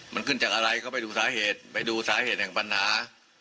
มันขึ้นจากอะไรก็ไปดูสาเหตุไปดูสาเหตุแห่งปัญหา